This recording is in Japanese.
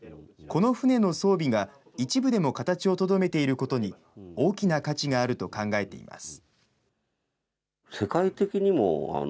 この船の装備が、一部でも形をとどめていることに大きな価値があると考えています。